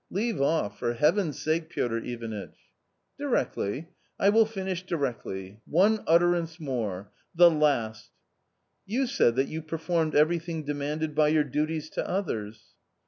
Leave off, for heaven's sake, Piotr Ivanitch." " Directly : I will finish directly — one utterance more— the last I You said that you performed everything demanded by your duties to others